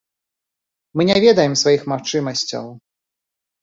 Мы не ведаем сваіх магчымасцяў.